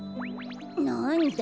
なんだ。